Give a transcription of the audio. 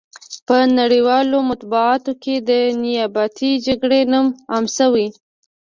په نړیوالو مطبوعاتو کې د نیابتي جګړې نوم عام شوی.